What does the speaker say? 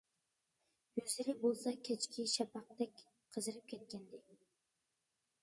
يۈزلىرى بولسا كەچكى شەپەقتەك قىزىرىپ كەتكەنىدى.